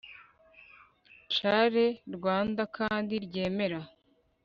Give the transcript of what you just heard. CARE RWANDA KANDI RYEMERA